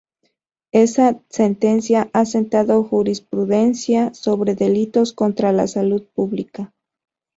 Esta sentencia ha sentado jurisprudencia sobre delitos contra la salud pública.